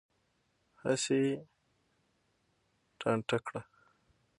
هسې یې ټانټه کړه.